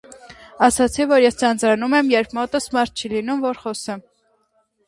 Ասացի, որ ես ձանձրանում եմ, երբ մոտս մարդ չի լինում, որ խոսեմ.